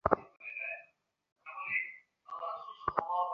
তিনি প্রথম অক্সফোর্ড মহিলা শিক্ষার্থী।